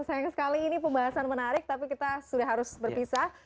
sayang sekali ini pembahasan menarik tapi kita sudah harus berpisah